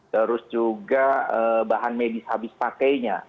terus juga bahan medis habis pakainya